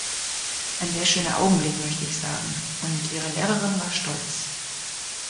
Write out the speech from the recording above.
Ein sehr schöner Augenblick, möchte ich sagen, und ihre Lehrerin war stolz.